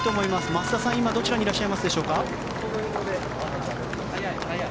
増田さん、今どちらにいらっしゃいますか？